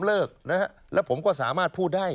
เลิกนะฮะแล้วผมก็สามารถพูดได้